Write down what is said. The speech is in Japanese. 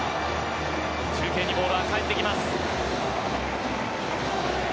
中継にボールが返ってきます。